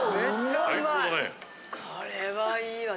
これはいいわ。